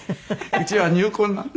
「うちは入魂なんで」。